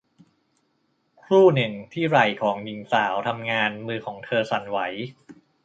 ครู่หนึ่งที่ไหล่ของหญิงสาวทำงานมือของเธอสั่นไหว